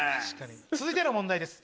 続いての問題です